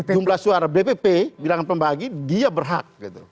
jumlah suara bpp bilangan pembagi dia berhak gitu